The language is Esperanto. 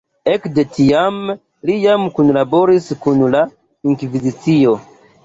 Ekde tiam li jam kunlaboris kun la Inkvizicio.